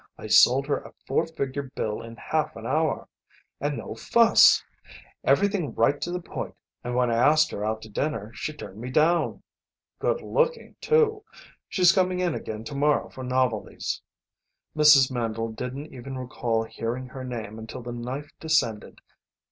I sold her a four figure bill in half an hour. And no fuss. Everything right to the point and when I asked her out to dinner she turned me down. Good looking, too. She's coming in again to morrow for novelties." Ma Mandle didn't even recall hearing her name until the knife descended.